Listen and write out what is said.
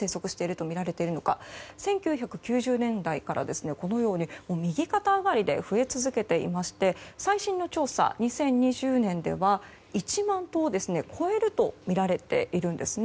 １９９０年代から右肩上がりで増え続けていまして最新の調査、２０２０年では１万頭を超えるとみられているんですね。